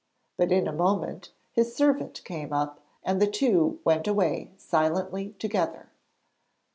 But in a moment his servant came up, and the two went away silently together.